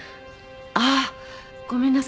あっごめんなさい。